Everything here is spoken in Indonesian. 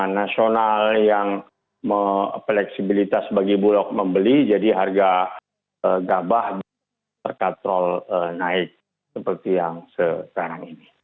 nasional yang fleksibilitas bagi bulog membeli jadi harga gabah terkatrol naik seperti yang sekarang ini